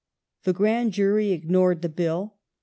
The Grand Jury ignored the Bill.